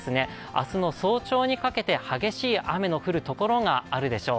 明日の早朝にかけて、激しい雨の降るところがあるでしょう。